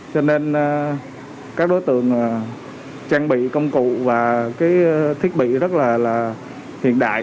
cho nên các đối tượng trang bị công cụ và thiết bị rất là hiện đại